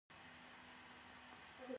کاناډا د ژباړې خدمات لري.